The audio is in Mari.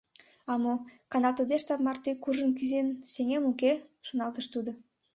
«А мо: каналтыде штаб марте куржын кӱзен сеҥем, уке? — шоналтыш тудо.